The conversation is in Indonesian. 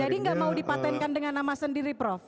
jadi gak mau dipatenkan dengan nama sendiri prof